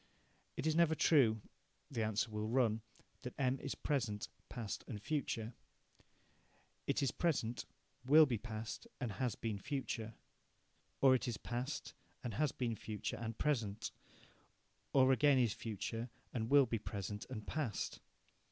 It is never true, the answer will run, that M is present, past and future. It is present, will be past, and has been future. Or it is past, and has been future and present, or again is future and will be present and past.